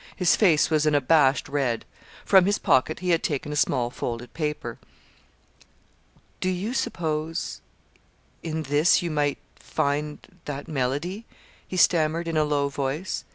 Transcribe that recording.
His face was an abashed red. From his pocket he had taken a small folded paper. "Do you suppose in this you might find that melody?" he stammered in a low voice.